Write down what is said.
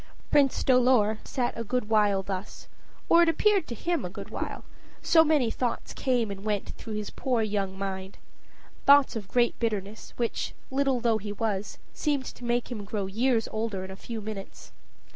Prince Dolor sat a good while thus, or it appeared to him a good while, so many thoughts came and went through his poor young mind thoughts of great bitterness, which, little though he was, seemed to make him grow years older in a few minutes.